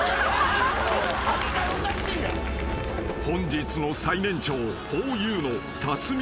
［本日の最年長］